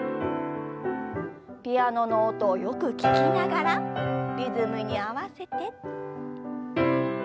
ピアノの音をよく聞きながらリズムに合わせて。